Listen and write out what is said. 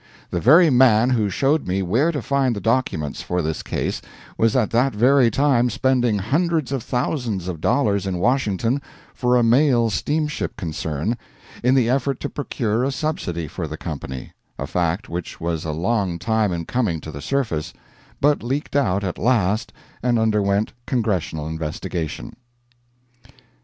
The very man who showed me where to find the documents for this case was at that very time spending hundreds of thousands of dollars in Washington for a mail steamship concern, in the effort to procure a subsidy for the company a fact which was a long time in coming to the surface, but leaked out at last and underwent Congressional investigation.